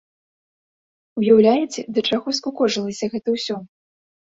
Уяўляеце, да чаго скукожылася гэта ўсё?